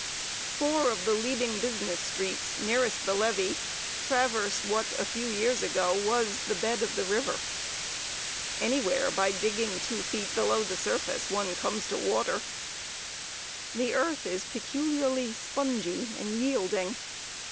Four of the leading business streets, nearest the levee, traverse what, a few years ago, was the bed of the river. Anywhere, by digging two feet below the surface, one comes to water. The earth is peculiarly spongy and yielding.